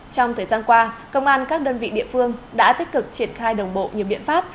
trong thời gian qua công an các đơn vị địa phương đã tích cực triển khai đồng bộ nhiều biện pháp